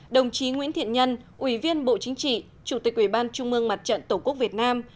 đồng chí nguyễn thiện nhân ủy viên bộ chính trị chủ tịch ủy ban trung mương mặt trận tổ quốc việt nam